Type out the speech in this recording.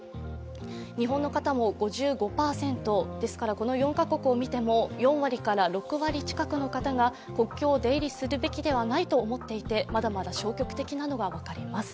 この４カ国を見ても４割から６割近くの方が国境を出入りするべきではないと思っていてまだまだ消極的なのが分かります。